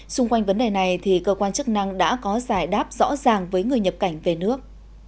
xung quanh vấn đề này cơ quan chức năng đã có giải đáp rõ ràng với người nhập cảnh về nước